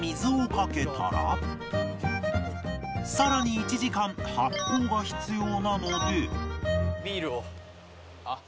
さらに１時間発酵が必要なので